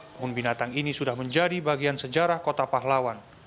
kebun binatang ini sudah menjadi bagian sejarah kota pahlawan